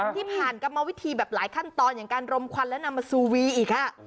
ที่ผ่านกรรมวิธีแบบหลายขั้นตอนอย่างการรมควันและนำมาซูวีอีก